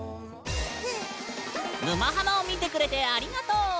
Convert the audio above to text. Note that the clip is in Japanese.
「沼ハマ」を見てくれてありがとう！